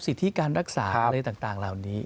สิทธิการรักษาอะไรต่างเหล่านี้